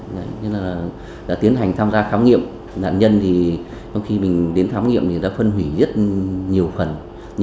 nhưng là tiến hành tham gia thám nghiệm nạn nhân thì trong khi mình đến thám nghiệm thì đã phân hủy rất nhiều phần